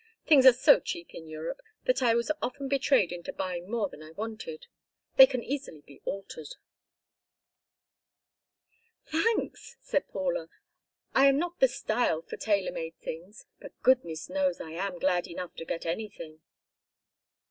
"Things are so cheap in Europe that I was often betrayed into buying more than I wanted. They can easily be altered." "Thanks!" said Paula. "I am not the style for tailor made things, but goodness knows I am glad enough to get anything."